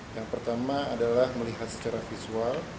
yang pertama adalah melihat secara visual